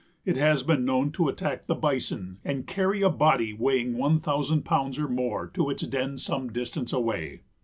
It has been known to attack the bison and carry a body weighing one thousand pounds or more to its den some distance away.